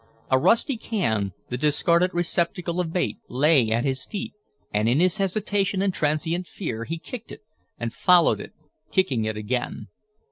A rusty can, the discarded receptacle of bait, lay at his feet, and in his hesitation and transient fear, he kicked it, and followed it, kicking it again.